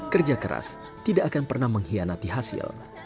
kerja keras tidak akan pernah mengkhianati hasil